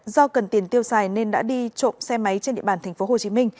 do cần tiền tiêu xài nên đã đi trộm xe máy trên địa bàn tp hcm